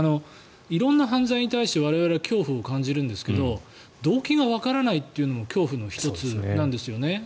色んな犯罪に対して我々は恐怖を感じるんですが動機がわからないというのも恐怖の１つなんですよね。